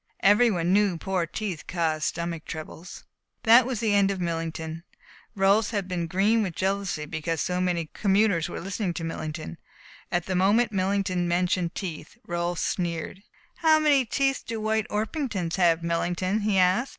Every one knew poor teeth caused stomach troubles. That was the end of Millington. Rolfs had been green with jealousy because so many commuters were listening to Millington, and the moment Millington mentioned teeth Rolfs sneered. "How many teeth do White Orpingtons have, Millington?" he asked.